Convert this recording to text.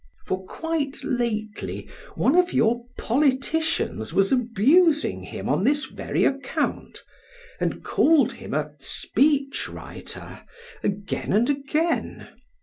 For quite lately one of your politicians was abusing him on this very account; and called him a 'speech writer' again and again.